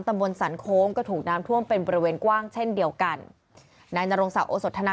ตามบนส๒๐๕๐ก็ถูกน้ำถั่วงเป็น